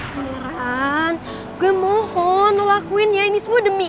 peneran gue mohon lo lakuin ya ini semua demi